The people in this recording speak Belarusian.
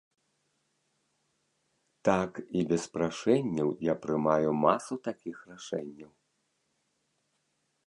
Так, і без прашэнняў я прымаю масу такіх рашэнняў.